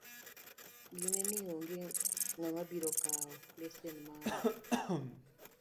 Ginee ni onge ng'ama biro kawo lesen ma ok